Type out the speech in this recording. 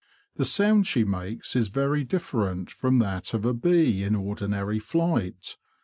The sound she makes is very different from that of a bee in ordinary flight.